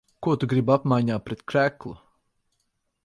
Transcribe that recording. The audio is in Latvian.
Ko tu gribi apmaiņā pret kreklu?